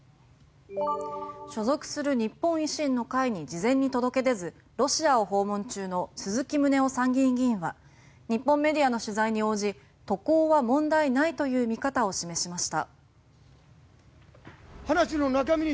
所属する日本維新の会に事前に届け出ずロシアを訪問中の鈴木宗男参議院議員は日本メディアの取材に応じ渡航は問題ないという見方を示しました。